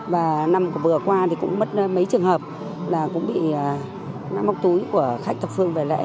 và năm vừa qua thì cũng mất mấy trường hợp là cũng bị năm móc túi của khách thập phương về lễ